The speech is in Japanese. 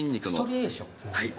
はい。